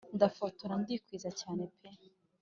ndafora ndikwiza cyane pe